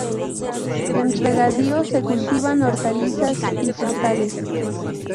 En regadío se cultivan hortalizas y frutales.